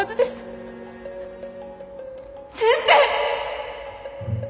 先生！